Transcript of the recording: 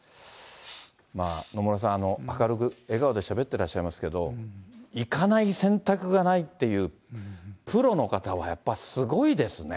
野村さん、明るく笑顔でしゃべってらっしゃいますけど、行かない選択がないっていう、プロの方はやっぱり、すごいですね。